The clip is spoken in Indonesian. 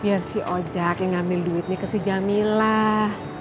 biar si ojang yang ambil duitnya ke si jamilah